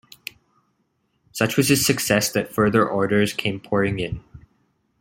Such was his success that further orders came pouring in.